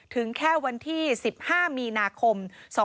ถึงแค่วันที่๑๕มีนาคม๒๕๖๒